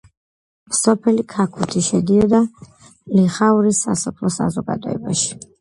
სოფელი ქაქუთი შედიოდა ლიხაურის სასოფლო საზოგადოებაში.